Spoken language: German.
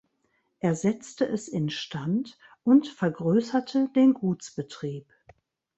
Er setzte es instand und vergrösserte den Gutsbetrieb.